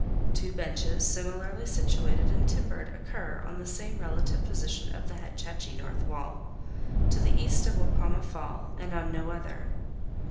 Two benches similarly situated and timbered occur on the same relative portion of the Hetch Hetchy north wall, to the east of Wapama Fall, and on no other.